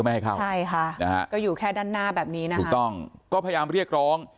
ไม่ให้เข้าใช่ค่ะนะฮะก็อยู่แค่ด้านหน้าแบบนี้นะคะถูกต้องก็พยายามเรียกร้อง